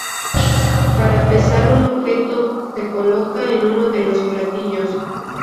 Para pesar un objeto se coloca en uno de los platillos.